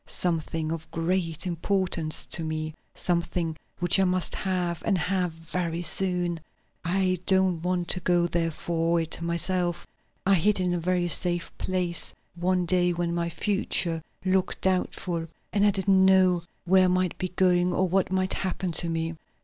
"Something of great importance to me; something which I must have and have very soon. I don't want to go there for it myself. I hid it in a very safe place one day when my future looked doubtful, and I didn't know where I might be going or what might happen to me.